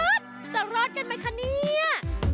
จะรอดกันไหมคะเนี่ย